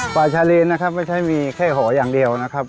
ชาลีนนะครับไม่ใช่มีแค่หออย่างเดียวนะครับ